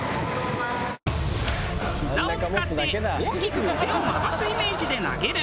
ヒザを使って大きく腕を回すイメージで投げる。